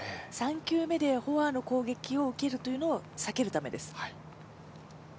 ３球目でフォアの攻撃を受けるのを避けるためです。